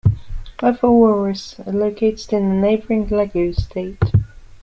Other Aworis are located in the neighbouring Lagos State.